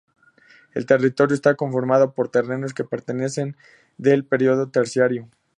El territorio está conformado por terrenos que pertenecen al período terciario.